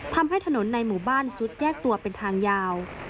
ทำให้ถนนในหมู่บ้านซุดแยกตัวเป็นทางยาว